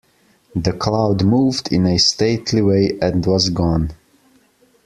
The cloud moved in a stately way and was gone.